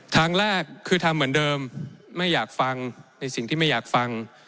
ทางแรกคือทำเหมือนเดิมไม่อยากฟังในสิ่งที่ไม่อยากฟัง